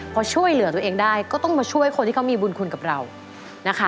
พอช่วยเหลือตัวเองได้ก็ต้องมาช่วยคนที่เขามีบุญคุณกับเรานะคะ